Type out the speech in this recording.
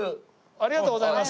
ありがとうございます。